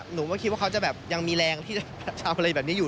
หนูก็คิดว่าเขาจะแบบยังมีแรงที่จะทำอะไรแบบนี้อยู่